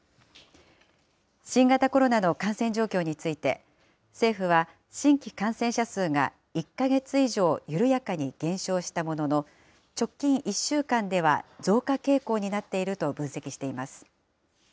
新型コロナの感染状況について、政府は、新規感染者数が１か月以上緩やかに減少したものの、直近１週間では増加傾向になっていると分析しています。